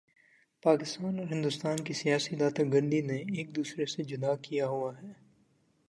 پاکستان اور ہندوستان کی سیاسی دادا گری نے ایک دوسرے سے جدا کیا ہوا ہے